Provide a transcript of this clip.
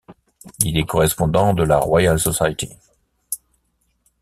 Il est correspondant de la Royal Society.